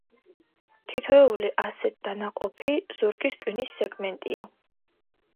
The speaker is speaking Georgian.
თითოეული ასეთ დანაყოფი ზურგის ტვინის სეგმენტია.